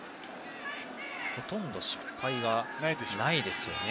ほとんど失敗はないです。